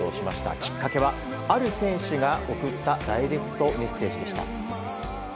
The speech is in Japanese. きっかけは、ある選手が送ったダイレクトメッセージでした。